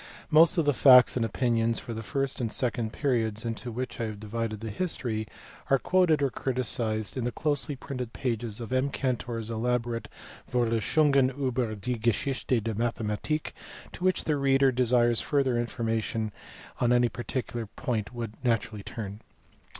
Most of the facts and opinions for the first and second periods into which I have divided the history are quoted or criticized in the closely printed pages of M. Cantor s elaborate Vorlesungen ilber die Geschichte der Mathematik, to which the reader who desires further information on any particular point would naturally turn.